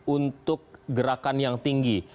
untuk gerakan yang tinggi